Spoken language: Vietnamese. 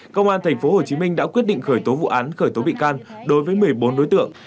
công an tp hcm đã quyết định khởi tố vụ án khởi tố bị can đối với một mươi bốn đối tượng